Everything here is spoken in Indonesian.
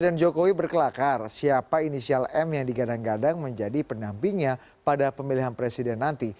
presiden jokowi berkelakar siapa inisial m yang digadang gadang menjadi pendampingnya pada pemilihan presiden nanti